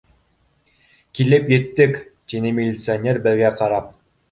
— Килеп еттек, — тине милиционер беҙгә ҡарап.